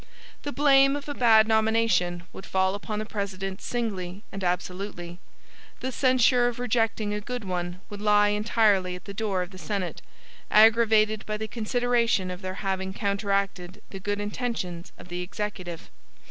The blame of a bad nomination would fall upon the President singly and absolutely. The censure of rejecting a good one would lie entirely at the door of the Senate; aggravated by the consideration of their having counteracted the good intentions of the Executive.